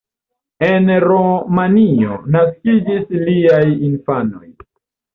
En Rumanio naskiĝis liaj infanoj.